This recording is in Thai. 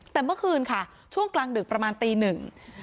แต่เมื่อคืนค่ะช่วงกลางดึกประมาณตีหนึ่ง